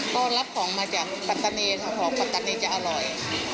ก็รับของมาจากปัตตานีค่ะของปัตตานีจะอร่อย